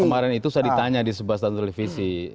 kemarin itu saya ditanya di sebuah stasiun televisi